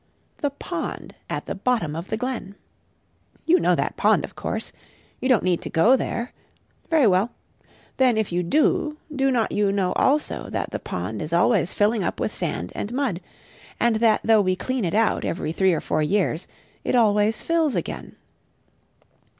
The pond at the bottom of the glen. You know that pond, of course? You don't need to go there? Very well. Then if you do, do not you know also that the pond is always filling up with sand and mud; and that though we clean it out every three or four years, it always fills again?